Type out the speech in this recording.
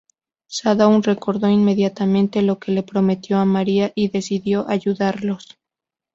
Shadow recordó inmediatamente lo que le prometió a Maria y decidió ayudarlos.